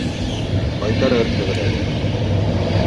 Ҡайтарырһығыҙ әле.